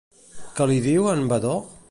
Que li diu a en Vadó?